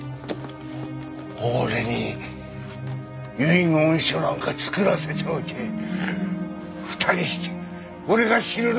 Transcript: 俺に遺言書なんか作らせておいて２人して俺が死ぬのを待ってたんだな！？